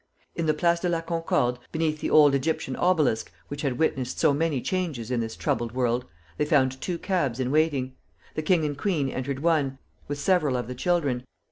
In the Place de la Concorde, beneath the old Egyptian obelisk which had witnessed so many changes in this troubled world, they found two cabs in waiting. The king and queen entered one, with several of the children.